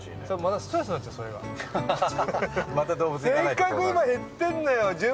せっかく今、減ってるのよ。